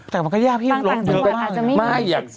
แต่มันคือหญ้าที่ลดเลยบ้างนะครับ